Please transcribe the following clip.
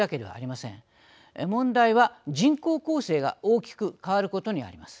問題は人口構成が大きく変わることにあります。